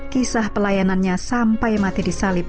kisah pelayanannya sampai mati disalib